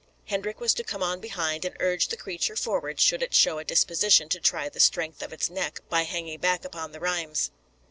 Hendrik was to come on behind and urge the creature forward, should it show a disposition to try the strength of its neck by hanging back upon the rheims.